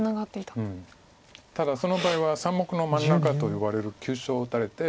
ただその場合は３目の真ん中と呼ばれる急所打たれて。